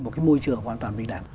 một cái môi trường hoàn toàn bình đẳng